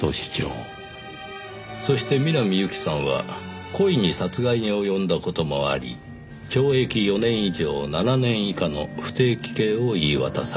そして南侑希さんは故意に殺害に及んだ事もあり懲役４年以上７年以下の不定期刑を言い渡された。